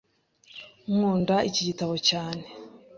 Nkunda iki gitabo cyane.